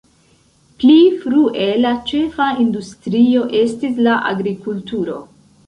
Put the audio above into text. Pli frue la ĉefa industrio estis la agrikulturo.